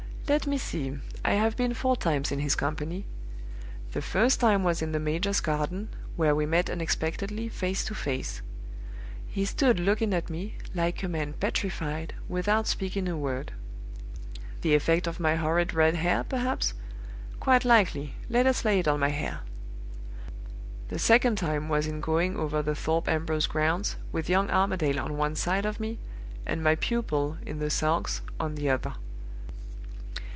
"Let me see; I have been four times in his company. The first time was in the major's garden, where we met unexpectedly, face to face. He stood looking at me, like a man petrified, without speaking a word. The effect of my horrid red hair, perhaps? Quite likely; let us lay it on my hair. The second time was in going over the Thorpe Ambrose grounds, with young Armadale on one side of me, and my pupil (in the sulks) on the other.